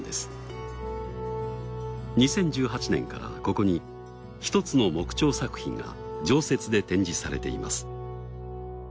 ２０１８年からここに１つの木彫作品が常設で展示されています。